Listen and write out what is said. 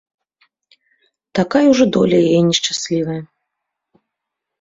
Такая ўжо доля яе нешчаслівая.